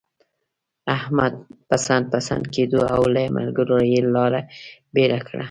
احمد پسن پسن کېدو، او له ملګرو يې لاره بېله کړه.